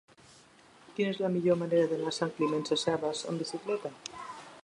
Quina és la millor manera d'anar a Sant Climent Sescebes amb bicicleta?